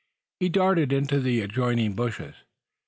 He darted into the adjoining bushes.